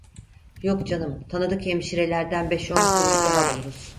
Yok canım, tanıdık hemşerilerden beş on kuruş daha buluruz.